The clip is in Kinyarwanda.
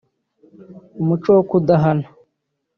umuco wo kudahana